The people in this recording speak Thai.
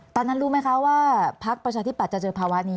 ตอนนั้นรู้ไหมคะว่าพักประชาธิปัตยจะเจอภาวะนี้